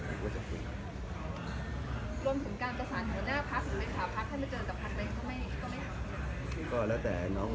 ผมคงคงจะคุยกับพี่น้อง